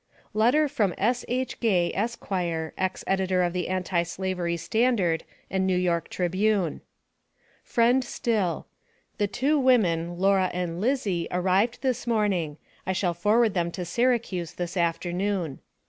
LETTER FROM S.H. GAY, ESQ., EX EDITOR OF THE ANTI SLAVERY STANDARD AND NEW YORK TRIBUNE. FRIEND STILL: The two women, Laura and Lizzy, arrived this morning. I shall forward them to Syracuse this afternoon.